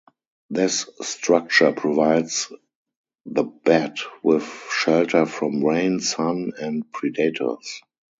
This structure provides the bat with shelter from rain, sun, and predators.